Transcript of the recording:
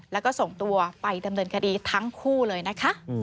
แล้วก็ส่งตัวไปดำเนินคดีทั้งคู่เลยนะคะ